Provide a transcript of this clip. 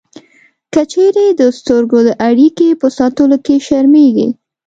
که چېرې د سترګو د اړیکې په ساتلو کې شرمېږئ